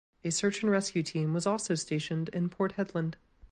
A search and rescue team was also stationed in Port Hedland.